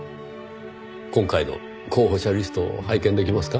今回の候補者リストを拝見できますか？